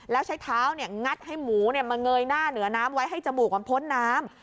แล้วใช้เท้างัดให้หมูมาเงยหน้าเหนือน้ำไว้ให้จมูกมันพ้นน้ำ